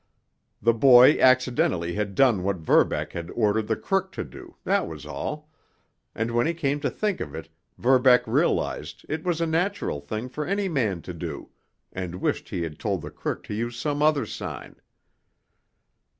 The boy accidentally had done what Verbeck had ordered the crook to do, that was all, and when he came to think of it Verbeck realized it was a natural thing for any man to do, and wished he had told the crook to use some other sign.